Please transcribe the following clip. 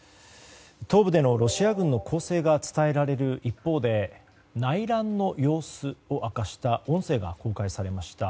東部でのロシア軍の攻勢が伝えられる一方で内乱の様子を明かした音声が公開されました。